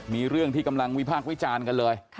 มีเรื่องที่กำลังวิพากษ์วิจารณ์กันเลย